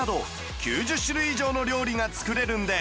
９０種類以上の料理が作れるんです